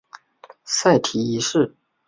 塞提一世。